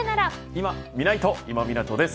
いまみないと、今湊です。